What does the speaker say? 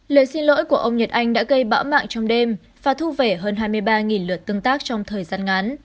lời xin lỗi của ông nhật anh đã gây bão mạng trong đêm và thu về hơn hai mươi ba lượt tương tác trong thời gian ngắn